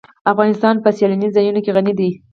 افغانستان په سیلانی ځایونه غني دی.